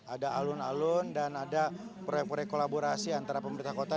ada alun alun dan ada proyek proyek kolaborasi antara pemerintah kota